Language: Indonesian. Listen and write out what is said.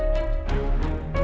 aku mau ke kamar